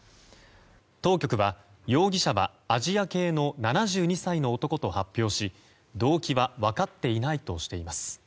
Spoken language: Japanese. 当局は、容疑者はアジア系の７２歳の男と発表し動機は分かっていないとしています。